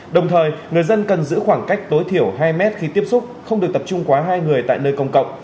đồng thời người dân cần giữ khoảng cách tối thiểu hai mét khi tiếp xúc không được tập trung quá hai người tại nơi công cộng